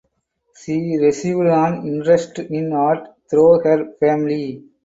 She received an interest in art through her family.